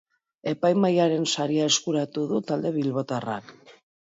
Epaimahaiaren saria eskuratu du talde bilbotarrak.